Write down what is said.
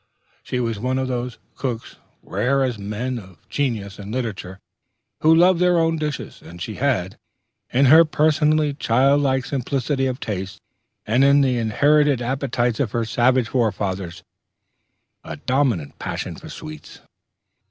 She was one of those cooks rare as men of genius in literature who love their own dishes; and she had, in her personally child like simplicity of taste, and the inherited appetites of her savage forefathers, a dominant passion for sweets.